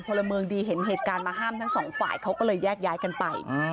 พลเมืองดีเห็นเหตุการณ์มาห้ามทั้งสองฝ่ายเขาก็เลยแยกย้ายกันไป